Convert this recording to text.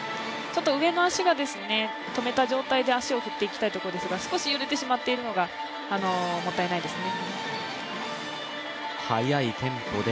上の足が止めた状態で足を振っていきたいところですが、少し揺れてしまっているのがもったいないですね。